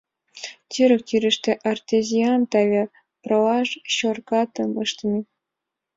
Курык тӱрыштӧ артезиан таве пролаш чоркатым ыштыме.